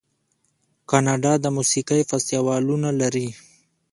کاناډا د موسیقۍ فستیوالونه لري.